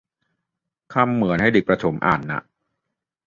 คำเหมือนให้เด็กประถมอ่านน่ะ